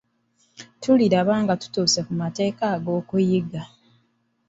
Tuliraba nga tutuuse ku mateka ag'okuyiga.